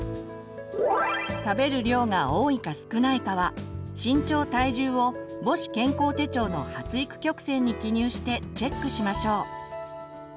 食べる量が多いか少ないかは身長・体重を母子健康手帳の発育曲線に記入してチェックしましょう。